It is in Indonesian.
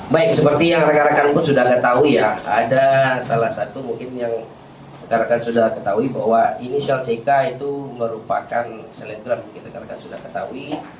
baik seperti yang rekan rekan pun sudah nggak tahu ya ada salah satu mungkin yang rekan rekan sudah ketahui bahwa inisial ck itu merupakan selebgram mungkin rekan rekan sudah ketahui